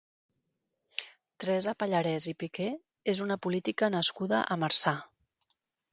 Teresa Pallarès i Piqué és una política nascuda a Marçà.